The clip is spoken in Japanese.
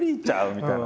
みたいな。